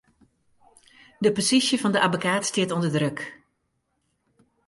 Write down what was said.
De posysje fan 'e abbekaat stiet ûnder druk.